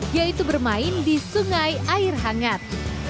yaitu bermain di sungai air hangat